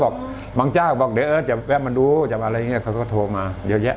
เบิร์กบ้างจ้าก็บอกเออจะมาดูเท่าไหร่เขาก็โทรมาเยอะแยะ